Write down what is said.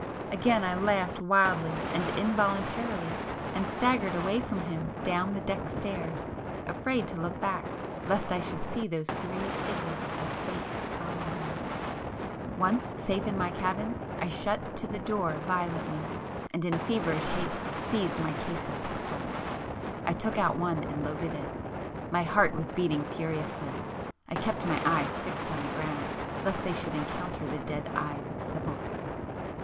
Again I laughed wildly and involuntarily, and staggered away from him down the deck stairs, afraid to look back lest I should see those Three Figures of fate following me. Once safe in my cabin I shut to the door violently, and in feverish haste, seized my case of pistols. I took out one and loaded it. My heart was beating furiously,—I kept my eyes fixed on the ground, lest they should encounter the dead eyes of Sibyl.